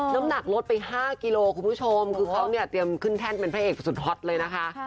น้ำหนักลดไป๕กิโลคุณผู้ชมคือเขาเนี่ยเตรียมขึ้นแท่นเป็นพระเอกสุดฮอตเลยนะคะ